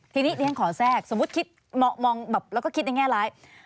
ทีนี้เรียนขอแทรกสมมุติคิดมองแบบแล้วก็คิดในแง่ร้าย